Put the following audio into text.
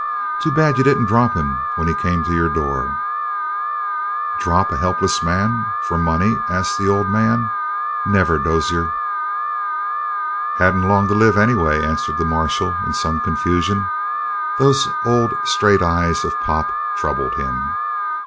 Too bad you didn't drop him when he came to your door." "Drop a helpless man for money?" asked the old man. "Never, Dozier!" "He hadn't long to live, anyway," answered the marshal in some confusion. Those old, straight eyes of Pop troubled him.